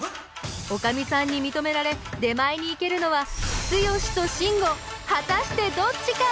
おかみさんにみとめられ出前に行けるのはツヨシとシンゴ果たしてどっちか！？